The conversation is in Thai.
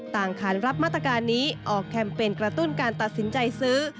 ขานรับมาตรการนี้ออกแคมเปญกระตุ้นการตัดสินใจซื้อ